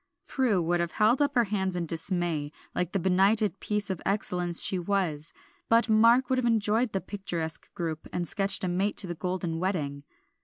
Prue would have held up her hands in dismay, like the benighted piece of excellence she was, but Mark would have enjoyed the picturesque group and sketched a mate to the Golden Wedding.